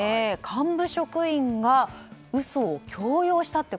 幹部職員が嘘を強要したって。